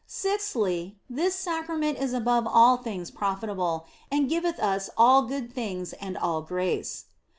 Sixthly, this Sacrament is above all things profitable, and giveth us all good things and all grace.